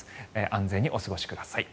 安全にお過ごしください。